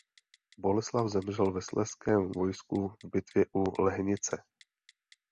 Boleslav zemřel ve slezském vojsku v bitvě u Lehnice.